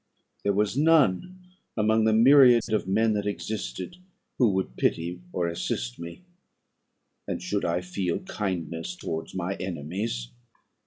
There was none among the myriads of men that existed who would pity or assist me; and should I feel kindness towards my enemies?